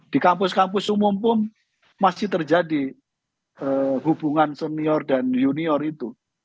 di kampus kampus umum pun masih terjadi hubungan senior dan junior itu